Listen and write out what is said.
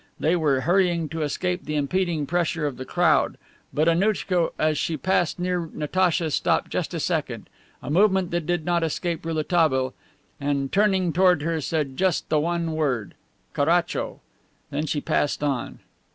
They were hurrying to escape the impending pressure of the crowd. But Annouchka as she passed near Natacha stopped just a second a movement that did not escape Rouletabille and, turning toward her said just the one word, "Caracho." Then she passed on.